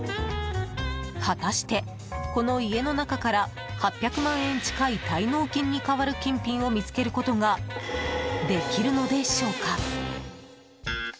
果たして、この家の中から８００万円近い滞納金に代わる金品を見つけることができるのでしょうか？